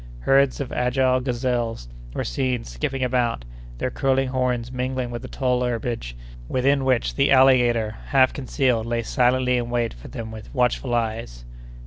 Herds of agile gazelles were seen skipping about, their curling horns mingling with the tall herbage, within which the alligator, half concealed, lay silently in wait for them with watchful eyes.